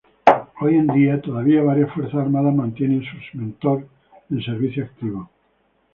Hoy en día, todavía varias fuerzas armadas mantienen sus "Mentor" en servicio activo.